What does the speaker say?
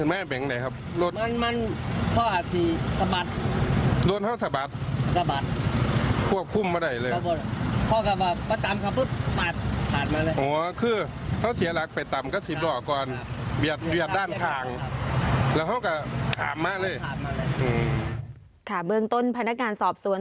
เบื้องต้นพนักงานสอบสวน